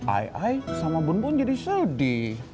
ai sama bun pun jadi sedih